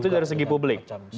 itu dari segi publik